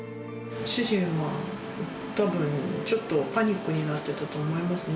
主人はたぶん、ちょっとパニックになってたと思いますね。